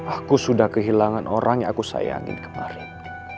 aku sudah kehilangan orang yang aku sayangin kemarin